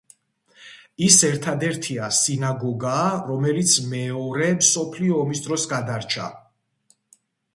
ის ერთადერთია სინაგოგაა რომელიც მეორე მსოფლიო ომის დროს გადარჩა.